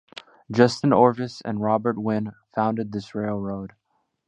Justin Orvis and Robert Wynn founded this railroad.